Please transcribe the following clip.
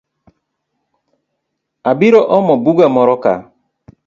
Abiro omo buga moroka